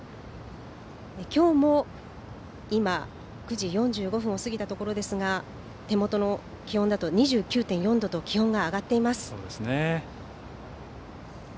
今日も今、９時４５分を過ぎたところですが手元の気温では２９．４度と気温が上がっています。